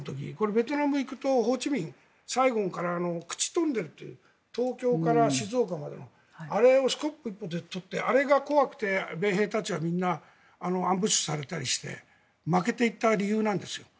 ベトナムに行くとホー・チ・ミン、サイゴンからクチトンネル東京から静岡ぐらいまでのあれをスコップ１本であれが怖くて米兵たちがみんなアンブッシュされたりして負けていった理由なんです。